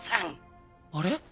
あれ？